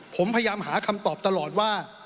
ผมพยายามหาคำตอบตลอดว่า